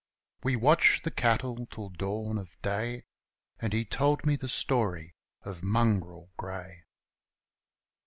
We watched the cattle till dawn of day And he told me the story of Mongrel Grey.